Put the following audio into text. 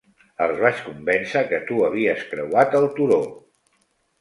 Els vaig convèncer que tu havies creuat el turó.